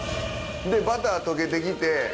バター溶けてきて。